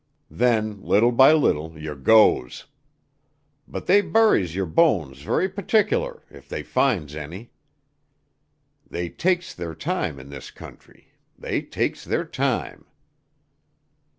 Then, little by little, yer goes. But they buries yer bones very partic'lar, if they finds any. They takes their time in this country, they takes their time."